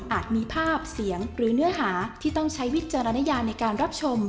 มีภาพเสียงหรือเนื้อหาที่ต้องใช้วิจารณญาในการรับชม